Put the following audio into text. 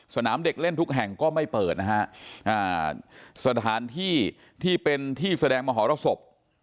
สนามเด็กเล่นทุกแห่งก็ไม่เปิดนะฮะสถานที่ที่เป็นที่แสดงมหรสบ